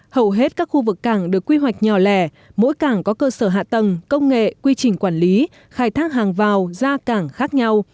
hầu hết các khu vực cảng được quy hoạch nhỏ lẻ mỗi cảng có cơ sở hạ tầng công nghệ quy trình quản lý khai thác hàng vào ra cảng khác nhau